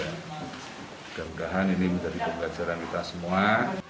mudah mudahan ini menjadi pembelajaran kita semua